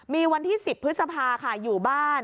มีวันที่๑๐พฤษภาค่ะอยู่บ้าน